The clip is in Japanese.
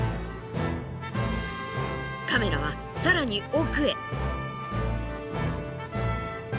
カメラは更に奥へ。